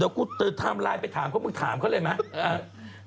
เดี๋ยวกูไทม์ไลน์ไปถามเขามึงถามเขาเลยไหม